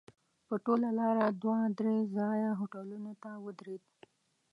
په ټوله لاره دوه درې ځایه هوټلونو ته ودرېدو.